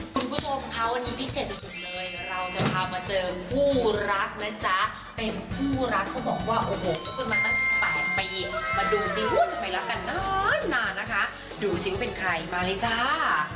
คุณผู้ชมคะวันนี้พิเศษสุดเลยเราจะพามาเจอคู่รักนะจ๊ะเป็นคู่รักเขาบอกว่าโอ้โหคบกันมาตั้ง๘ปีมาดูสิทำไมรักกันนานนานนะคะดูซิว่าเป็นใครมาเลยจ้า